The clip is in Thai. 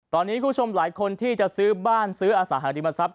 ตอนนี้คุณผู้ชมหลายคนที่จะซื้อบ้านซื้ออสังหาริมทรัพย